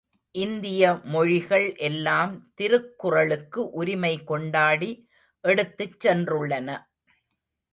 இந்திய மொழிகள் எல்லாம் திருக்குறளுக்கு உரிமை கொண்டாடி எடுத்துச் சென்றுள்ளன.